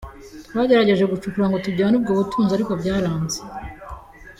Twagerageje gucukura ngo tujyane ubwo butunzi ariko byaranze.